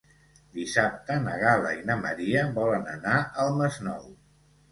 Dissabte na Gal·la i na Maria volen anar al Masnou.